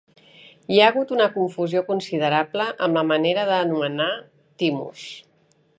Hi ha hagut una confusió considerable amb la manera d'anomenar "thymus".